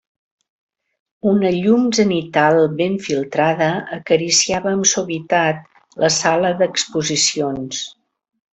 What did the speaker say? Una llum zenital ben filtrada acariciava amb suavitat la sala d'exposicions.